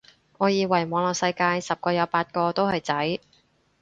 我以為網絡世界十個有八個都係仔